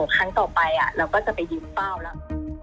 ครั้งต่อไปเราก็จะไปยืนเฝ้าแล้ว